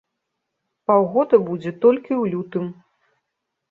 Паўгода будзе толькі ў лютым.